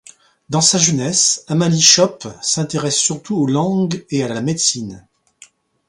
Dans sa jeunesse, Amalie Schoppe s'intéresse surtout aux langues et à la médecine.